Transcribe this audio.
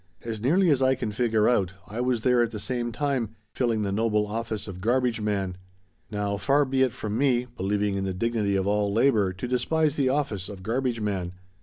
As nearly as I can figure it out, I was there at the same time, filling the noble office of garbage man. Now, far be it from me, believing in the dignity of all labor, to despise the office of garbage man.